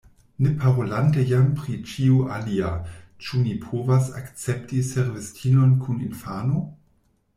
Ne parolante jam pri ĉio alia, ĉu ni povas akcepti servistinon kun infano?